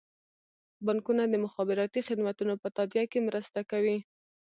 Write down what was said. بانکونه د مخابراتي خدمتونو په تادیه کې مرسته کوي.